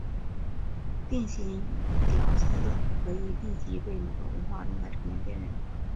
定型角色可以立即被某个文化中的成员辨认出来。